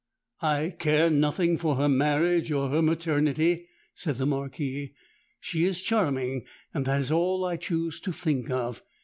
—'I care nothing for her marriage or her maternity,' said the Marquis: 'she is charming, and that is all I choose to think of.